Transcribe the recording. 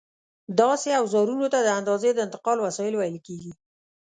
داسې اوزارونو ته د اندازې د انتقال وسایل ویل کېږي.